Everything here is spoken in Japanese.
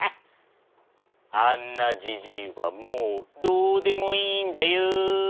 あんなじじいはもうどうでもいいんだよ。